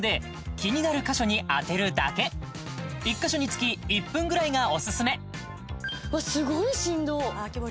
気になる箇所に当てるだけ１カ所につき１分ぐらいがオススメすごい振動あ